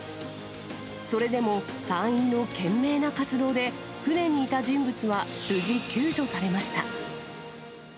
それでも隊員の懸命な活動で、船にいた人物は無事救助されました。